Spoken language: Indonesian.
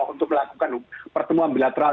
untuk melakukan pertemuan bilateral